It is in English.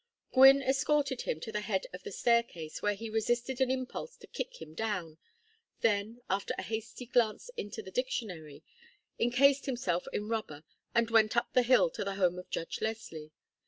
Gwynne escorted him to the head of the staircase, where he resisted an impulse to kick him down, then, after a hasty glance into the dictionary, encased himself in rubber and went up the hill to the home of Judge Leslie.